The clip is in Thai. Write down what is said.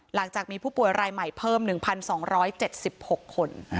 หลังจากมีผู้ป่วยรายใหม่เพิ่ม๑๒๗๖คน